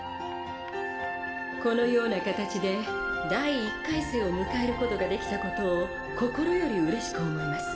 このような形で第一回生を迎えることができたことを心よりうれしく思います。